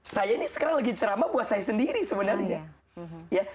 saya nih sekarang lagi cerama buat saya sendiri sebenarnya